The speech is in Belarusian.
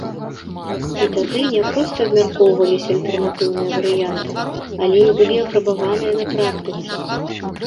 І тады не проста абмяркоўваліся альтэрнатыўныя варыянты, але і былі апрабаваныя на практыцы.